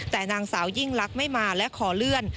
แต่นางสาวยิ่งลักษณ์ไม่มาและขอเลื่อน